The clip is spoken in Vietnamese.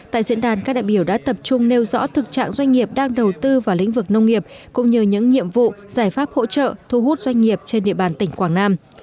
tại diễn đàn các đại biểu đã tập trung nêu rõ thực trạng doanh nghiệp đang đầu tư vào lĩnh vực nông nghiệp cũng như những nhiệm vụ giải pháp hỗ trợ thu hút doanh nghiệp trên địa bàn tỉnh quảng nam